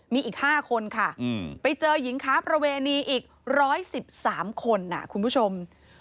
มีอีก๕คนค่ะไปเจอหญิงค้าประเวณีอีก๑๑๓คนคุณผู้ชม